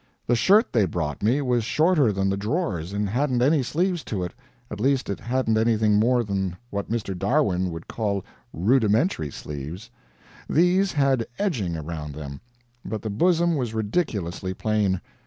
The shirt they brought me was shorter than the drawers, and hadn't any sleeves to it at least it hadn't anything more than what Mr. Darwin would call "rudimentary" sleeves; these had "edging" around them, but the bosom was ridiculously plain.